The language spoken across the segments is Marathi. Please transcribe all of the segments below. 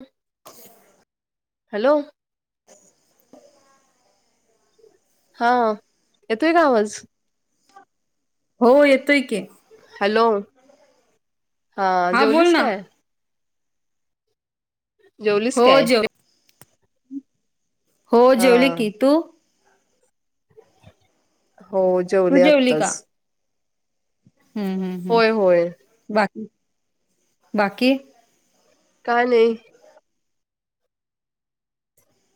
हम ह [unintelligible] हॅलो हा येतोय का आवाज हो येतोय की हॅलो हा बोल जेवलीस ना काय जेवलीस हो काय जेव हो हा जेवली की तू हो तू जेवले जेवली का आत्ताच हम् हम् हम् होय होय बाकी बाकी का नाही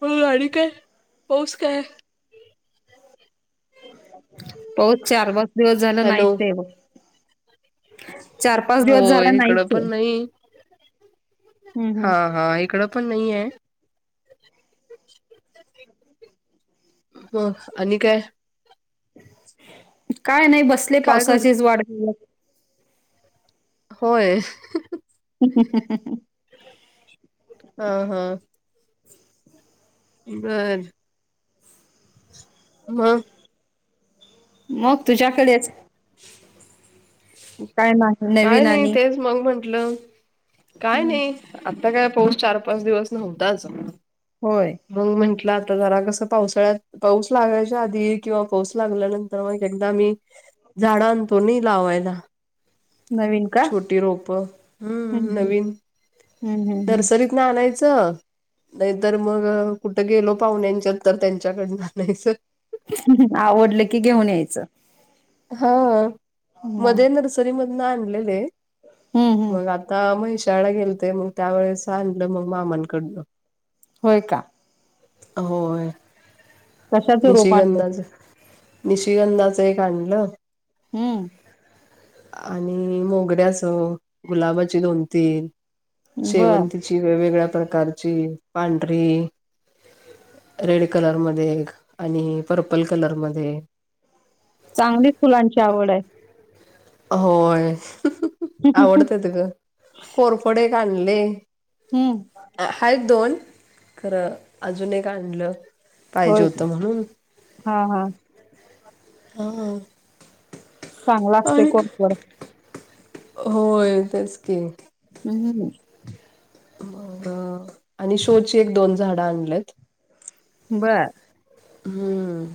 हो गाडी काय पाऊस काय पाहच चार पाच दिवस झालं हॅलो नाहीच ब चार पाच दिवस झाला होय इकडं नाहीच पण नाही हम्म हा हम्म हा इकडं पण नाही आहे हो आणि काय काय नाही बसले काय कर पावसाचीच वाढ होय हम्म हम्म हम्म हा हा बरं मग मग तुझ्याकडेच काय नाही काय नवीन नाही आणि तेच मग म्हंटलं काय हम्म नाही आता काय पाऊस चार पाच दिवस नव्हताच होय मग म्हंटलं आता जरा कसं पावसाळ्यात पाऊस लागयच्या आधी किंवा पाऊस लागल्यानंतर मग एकदा मी झाड आणतो नाही लावायला नवीन का छोटी रोप हम्म नवीन हम्म हम्म नर्सरीत यच नाही मग कुठं गेलो पाहुण्यांच्या तर त्यांच्याकड जा नाहीचं आवडलं की घेऊन यायचं हं मग मध्ये नर्सरी मधून आणलेले हम्म हम्म मग आता आता मशाळा गेलते मग त्यावेेळेस आणलं मग मामांकडनं होय का होय कशाचं रोप आणलंय निशगंदाज निशगंधाच एक आणलं हम्म आणि मोगऱ्या अस गुलाबाची दोन तीन बर शेवंतीची वेगवेगळ्या प्रकारची पांढरी रेड कलर मध्ये एक आणि पर्पल कलर मध्ये चांगलीच फुलांची आवड आहे होय आवडतं ग कोरफडे आणले हम्म हा दोन खरं अजून एक आणलं पाहिजे होय होत म्हणून हा हा हा चांगला असते आणि कोडकड होय तेच की हम्म मग आणि शोची एक दोन झाडं आणलेत बर हम्म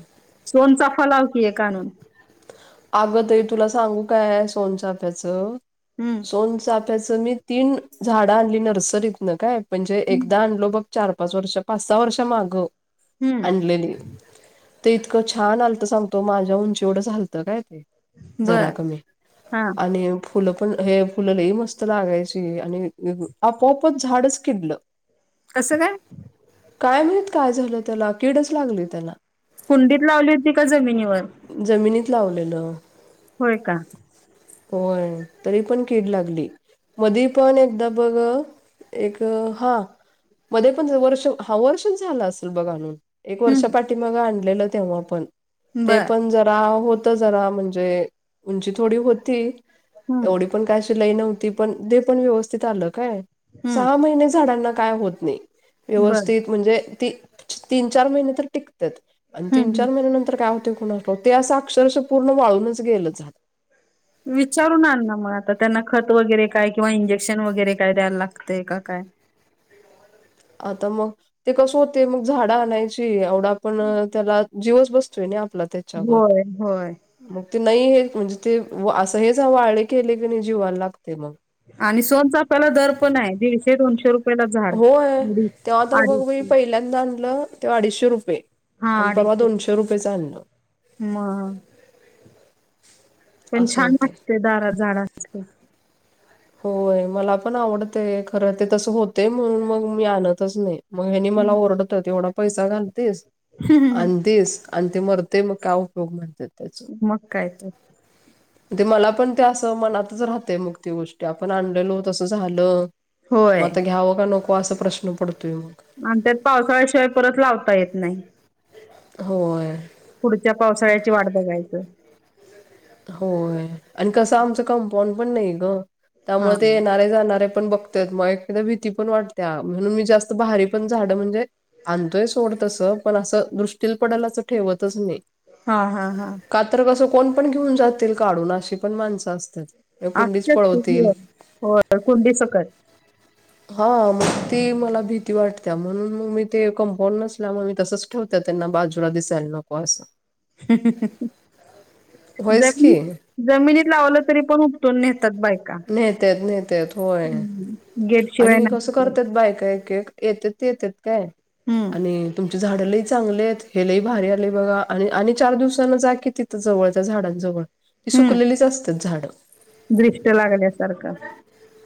दोनचा फलाव कि आहे कानून आगतरी तुला सांगू काय सोनचाफ्याचं हम्म सोन फ्याचं मी तीन झाडं आणली नर्सरीतन काय म्हणजे एकदा आणलो बघ चार पाच वर्ष पाच सहा वर्ष माग हम्म आणलेली ते इतकं छान आलतं सांगतो माझ्या उंचीवढं झालतं काय ते बर जरा कमी हा आणि फुलं पण हे फुलं लही मस्त लागायची आणि आपोआपच झाडच किडलं कसं काय काय म्हणत काय झालं त्याला किडच लागली त्याला कुंडीत लावली होती का जमिनीवर जमिनीत लावलेलं होय का हो तरी पण कीड लागली मधी पण एकदा बघ एक हा मध्ये पण वर्ष हा वर्षच झाला असेल बघ आणून एक वर्ष हम्म पाठी मग आणलेलं तेव्हा पण ते बर पण जरा हो जरा म्हणजे उंची थोडी होती हम्म एवढी पण कायशी लय नव्हती पण ते पण व्यवस्थित आलं काय हम्म सहा महिने झाडांना काय होत नाही बर व्यवस्थित म्हणजे ती तीन चार महिने तर टिकतात आणि तीन हम्म. चार महिन्या नंतर काय होते कुणा ते असं अक्षरश पूर्ण वाळूनच गेलं झालं विचारून आण ना मग आता त्यांना खत वगैरे काय किंवा इंजेक्शन वगैरे काय द्यायला लागते काय आता मग ते कसं होते मग झाडं आणायची एवडा पण त्याला जीवच बसतोय नाही आपला त्या होय होय मग ते नाही हे म्हणजे ते असं हेचवं आले केले की नाही जीवायला लागते मग आणि सोनचा आपल्याला दर पण आहे दीडशे दोनशे रुपये होय तेव्हा तर बघ मी अडीचशे पहिल्यांदा आणलं तेव्हा अडीचशे रुपये हा आणि परवा अडीचशे दोनशे रुपयेच आणलं मग पण असं छान होते लागते दारात झाडां होय मला पण आवडतय खरं ते तसं होतेय म्हणून मग मी आणतच नाही मग हनी मला ओरडत तेवढा पैसा घालतेस आणितीस आणि ते मरतेय मग का उपयोग म्हणतात त्याच मग काय तर ते मला पण ते असं मनातच राहतय मग ती गोष्ट ते आपण आणलेलो तसं झालं होय मग आता घ्यावं का नको असा प्रश्न पडतोय मग आणि त्यात पावसाळ्याशिवाय परत लावता येत नाही होय पुढच्या पावसाळ्याची वाट बघायचं होय आणि कसं आमच कंपाऊंड पण नाही ग हा त्यामुळे ते येणारे जाणारे पण बघत मग एकदा भीती पण वाटते म्हणून मी जास्त बारी पण झाड म्हणजे आणतोय सोडतसं पण असं दृष्टीील पडेल असं ठेवतच नाही हा हा हा कात्र कसं कोण पण घेऊन जातील काढून अशी पण माणसं असतात कुंडीच आच तुम पळवतील हो कुंडी सकत हा मग ती मला भीती वाटते म्हणून मग मी ते कंपाऊड नसल्यामुळे मी तसच ठेवत त्यांना बाजूला दिसायला नको असं होयच की जनी जमिनीत लावलं तरी पण नेतात बायका नेत्यात नेत्यात होय. गेट शिवाय आणि कसं नाही करतात बायका एक येतेत येतेत काय हम् आणि तुमचे झाडही चांगले आहेत. हे लही भारी आले बघा, आणि चार दिवसाना जा की तिथ जवळ त्या झाडांजवळ ती हम्म सुकलेलीच असतात झाडं दृष्ट लागल्यासारखं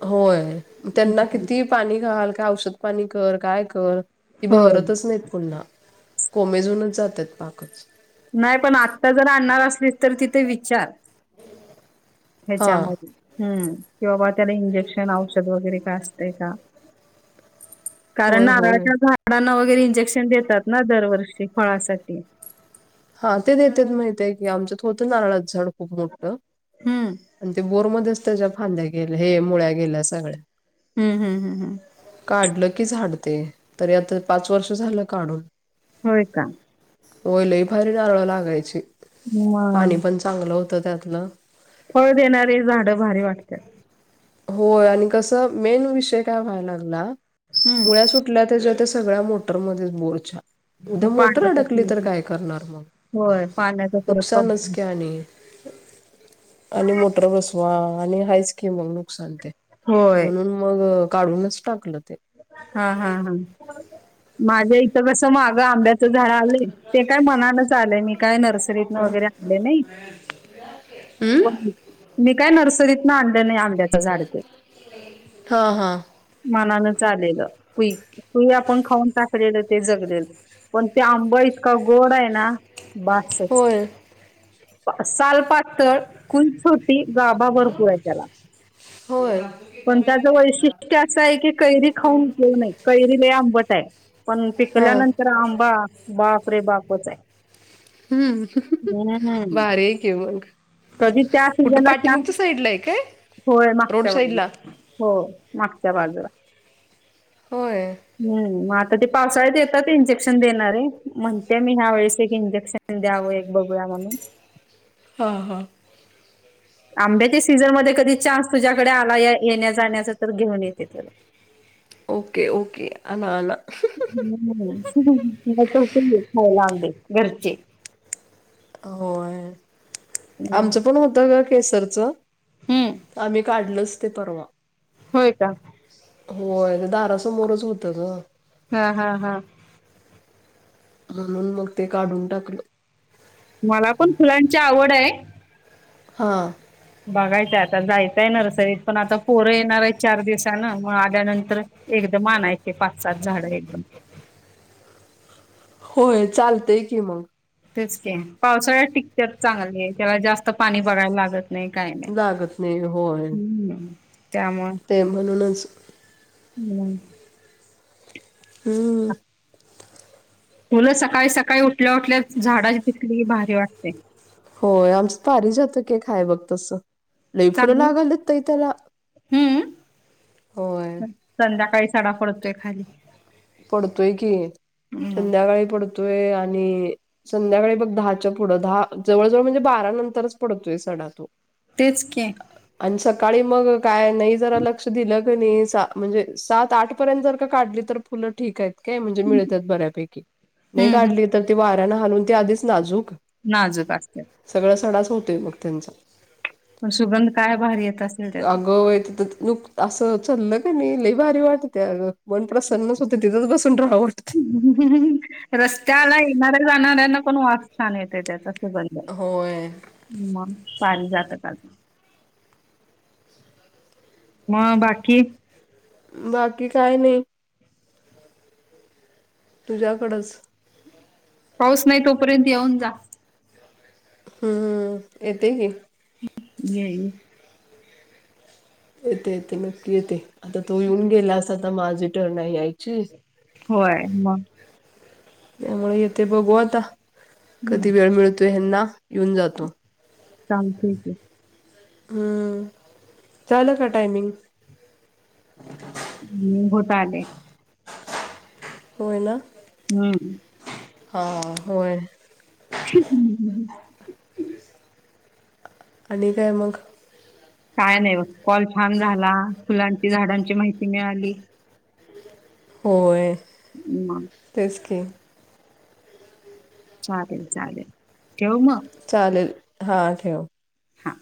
होय त्यांना किती पाणी घाल, का औषधपाणी कर काय कर, ती हो बहरतच नाहीत पुन्हा. कोमेजूनच जात्यात पाकच. नाही पण आत्ता जर आणणार असलीस, तर तिथे विचार. हा ह्याच्यामध्ये हंमम्, की बाबा त्याला इंजेक्शन, औषध वगैरे काय असतय का? कारण होय होय नारळाच्या झाडांना वगैरे इंजेक्शन देतात ना दरवर्षी, फळासाठी. हां, ते देत्यात माहतीय की, आमच्यात होतं नारळाचं झाड खूप मोठं. ‌ हंमम् आणि ते बोरमध्येच त्याच्या फांद्या गेल्या, हे मुळ्या गेल्या सगळ्या. हम हम हम हम. काढल की झाडते, तरी आता पाच वर्ष झाल काढून. होय का. होय, लई भारी नारळ लागायची. पाणी मग पण चांगलं होतं त्यातलं. फळ देणारी झाडं भारी वाटत्यात. होय, आणि कसं, मेन विषय काय व्हायला लागला मुळ्या सुट आपल्या त्याच्या त्या सगळ्या मोटरमध्येच बोरछा मग उद्या मोटर पाण्याचा अडकली तर काय करणार मग, होय पाण्याचा परत नुकसानच प्रॉब्लेम की आणि आणि मोटर बसवा आणि हायच की मंग नं. नुकसान ते, होय म्हणून मग काढूनच टाकलं ते. [unintelligible] हां हां हां [unintelligible] माझ्या ईक ते कस मागं आंब्याचं झाड आलंय, ते काय मनानच आलंय, मी काय नर्सरीतन वगैरे आण नाही नाही, [unintelligible] मी काय नर्सरीतनं आणलं नाही आंब्यात [unintelligible] हां हां. मनानच आलेलं, कुई, कुई आपण खाऊन टाकलेलं ते जगलेलं. पण ते आंबा इतका गोड आहे ना बास. सहज होय साल पातळ कुंकून की गाभा भरपूर आहे त्याला, होय पण त्याचं वैशिष्ट्य ते असं आहे की कैरी खाऊन घेऊ नये, कैरी लै आंबट आहे. पण हा पिकल्यानंतर आंबा बापरे बापच आहे. हंम हं हं हम्म. हं भारी आहे की मग. कधी त्या कुठं सिझनला छान. पाठीमागच्या साईडला आहे काय होय रोड मागच्या साईड बाजूला. ला हो मागच्या बाजूला. होय हंमम, मग आता ते पावसाळ्यात येतात ते इंजेक्शन देणारे, म्हणते मी ह्या वेळेस एक इंजेक्शन द्याव एक, बघूया म्हणून हां हां आंब्याच्या सीझनमध्ये कधी चान्स तुझ्याकडे आला ये येण्या जाण्याचा तर घेऊन येते तुला. ओके ओके आना आना अंहं. [unintelligible] [unintelligible] खायला आंबे घरचे. होय, आमचं हम्म पण होतं घर. केसरच, आम्ही काढलच ते परवा. होय कां. होय, ते दारासमोरच होतं ग. हां हां हां म्हणून मग ते काढून टाकलं. मला पण फुलांची आवड आहे. हा. बघायचंय आता जायचंय नर्सरीत पण आता पोरं येणार आहे चार दिवसना मग आल्यानंतर एकदम आणायचे पाच सात झाड एकदम होय चालतय की मग तेच का पावसाळ्यात टिकतत चांगल्या आहे त्याला जास्त पाणी बघायला लागत नाही काही लागत होय नाही त्यामुळे ते म्हणूनच हम् हम् ह मुलं सकाळी सकाळी उठल्या उठल्या झाडाची तिकली भारी वाटते होय आमच पारी जातकय खाय बघ तसं लई फुलं चांगलं लागालत त त्याला होय हम्म संध्याकाळी सडा पडतोय खाली पडतोय की हम्म संध्याकाळी पडतोय आणि संध्याकाळी बघ दहाच्या पुढं दहा जवळजवळ म्हणजे बारा नंतरच पडतोय सडा तो तेचक आणि सकाळी मग काय नाही जरा लक्ष दिलं म्हणजे सात आठ पर्यंत जर का काढली तर फुलं ठीक आहे काय म्हणजे मिळतात बऱ्यापैकी नाही हम्म हम्म काढली तर ते वाऱ्याने हालून ते आधीच नाजूक नाजूक असत सगळं सडाच होतोय मग त्यांचा पण सुगंध काय भारी येत असेल त्याचा. अग येत तर नुक असं चाललं का नाही लई भारी वाटत मन प्र्रसन्न हम् रस्त्याला येणाऱ्या जाणाऱ्यांना पण वास छान येते त्याचा सब होय. पाारी जात काता म बाकी बाकी काय नाही तुझ्याकडंच पाऊस नाही तोपर्यंत येऊन जा हम्म य ते की या आहे येते येते नक्की येते आता तो येऊन गेलास आता माझी टर्न आहे ऐक होय मग त्यामुळे यथे बघू आता हम्म कधी वेळ मिळतोय हना येऊन जातो चाल ठीक आहे हम्म चाल का टायमिंग ह् होता आले हो ना हम्म ह होर ह ह आणि काय मग काय नाही बघ कॉल छान झाला फुलांची झाडांची माहिती मिळाली होय ह् तेस क चालेल चालेल ठव म चालेल हा ठेव हा